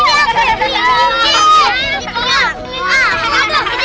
aku punya aku